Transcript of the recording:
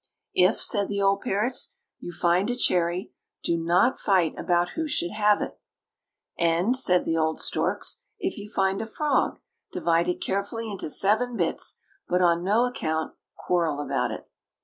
"If," said the old parrots, "you find a cherry, do not fight about who should have it." "And," said the old storks, "if you find a frog, divide it carefully into seven bits, but on no account quarrel about it."